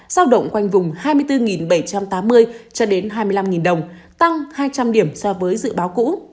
giao động quanh vùng hai mươi bốn bảy trăm tám mươi cho đến hai mươi năm đồng tăng hai trăm linh điểm so với dự báo cũ